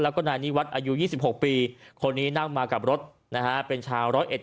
แล้วก็นายนิวัฒน์อายุ๒๖ปีคนนี้นั่งมากับรถนะฮะเป็นชาวร้อยเอ็ด